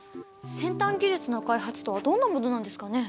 先端技術の開発とはどんなものなんですかね。